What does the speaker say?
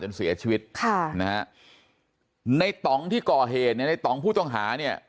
จนเสียชีวิตในต่องที่ก่อเหในต่องผู้ต่องหา